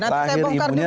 nanti saya bongkar juga